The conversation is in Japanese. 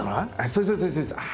そうそうそうそうそう。